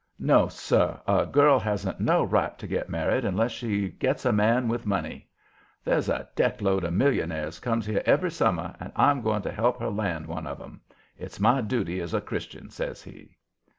No, sir! a girl hasn't no right to get married unless she gets a man with money. There's a deck load of millionaires comes here every summer, and I'm goin' to help her land one of 'em. It's my duty as a Christian," says he.